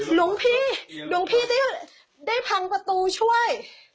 หลวงพี่หลวงพี่ได้พังประตูช่วย